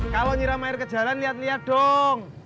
kalo nyiram air ke jalan liat liat dong